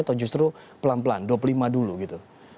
atau justru pelan pelan dua puluh lima dulu gitu